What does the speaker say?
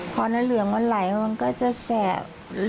พอน้ำเหลืองมันไหลมันก็จะแสบ